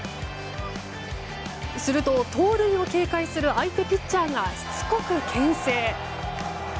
すると、盗塁を警戒する相手ピッチャーがしつこく牽制。